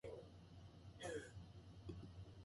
私の朝ご飯はパンと目玉焼きだった。